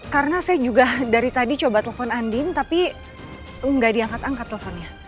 karena saya juga dari tadi coba telfon andin tapi gak diangkat angkat telfonnya